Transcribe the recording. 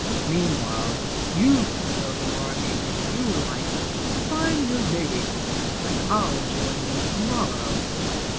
Meantime you can go to Margate if you like and find new diggings, and I'll join you to morrow."